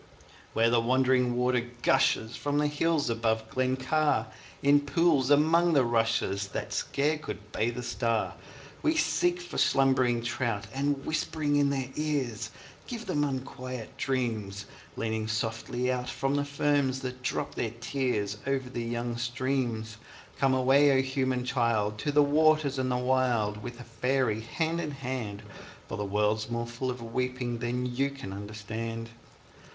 _ Where the wandering water gushes From the hills above Glen Car, In pools among the rushes That scarce could bathe a star, We seek for slumbering trout, And whispering in their ears Give them unquiet dreams; Leaning softly out From ferns that drop their tears Over the young streams. _Come away, O human child! To the waters and the wild With a faery, hand in hand, For the world's more full of weeping than you can understand.